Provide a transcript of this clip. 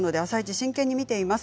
真剣に見ています。